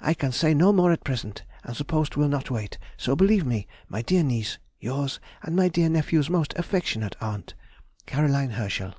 I can say no more at present, and the post will not wait, so believe me, my dear niece, yours and my dear nephew's most affectionate aunt, CAR. HERSCHEL.